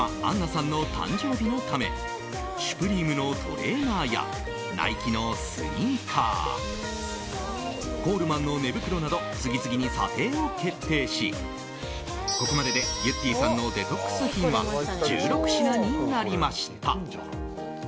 さんの誕生日のためシュプリームのトレーナーやナイキのスニーカーコールマンの寝袋など次々に査定を決定しここまででゆってぃさんのデトックス品は１６品になりました。